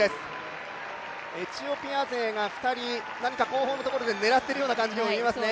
エチオピア勢が２人、後方のところで狙っているような感じですね。